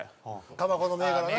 たばこの銘柄な。